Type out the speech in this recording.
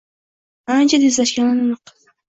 ancha tezlashgani aniq.